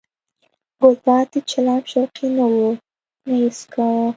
ګلداد د چلم شوقي نه و نه یې څکاوه.